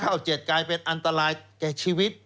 ต่อเข้าเจ็ดกลายเป็นอันตรายแก่ชีวิต